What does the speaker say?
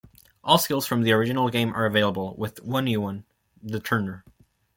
All skills from the original game are available, with one new one: the turner.